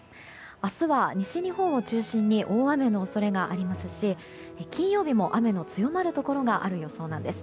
明日は西日本を中心に大雨の恐れがありますし金曜日も、雨の強まるところがある予想なんです。